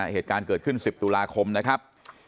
เหตุการณ์เกิดขึ้น๑๐ตุลาคมนะครับ